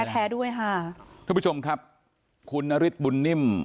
แท้ด้วยค่ะทุกผู้ชมครับคุณนฤทธิบุญนิ่ม